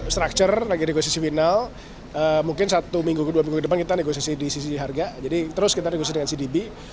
structure lagi negosiasi final mungkin satu minggu ke dua minggu ke depan kita negosiasi di sisi harga jadi terus kita negosiasi dengan cdb